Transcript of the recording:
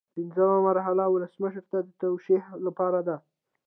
پنځمه مرحله ولسمشر ته د توشیح لپاره ده.